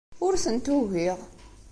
Ur tent-ugiɣ.